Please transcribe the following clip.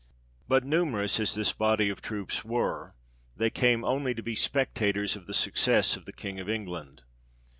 But numerous as this body of troops were, they came only to be spectators of the success of the King of England.